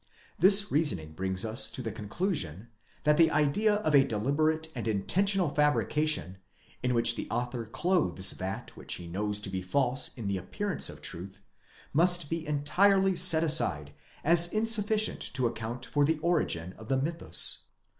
This reasoning brings us to the conclusion, that the idea of a deliberate and intentional fabrication, in which the author clothes that which he knows to be false in the appearance of truth, must be entirely set aside as insufficient to account for the origin of the mythus.